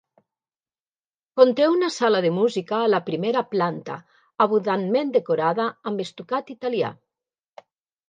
Conté una sala de música a la primera planta abundantment decorada amb estucat italià.